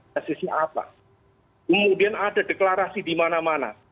klasifikasi apa kemudian ada deklarasi di mana mana